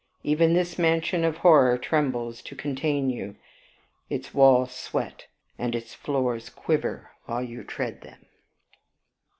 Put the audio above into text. Even this mansion of horror trembles to contain you; its walls sweat, and its floors quiver, while you tread them."